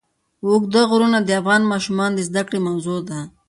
اوږده غرونه د افغان ماشومانو د زده کړې موضوع ده.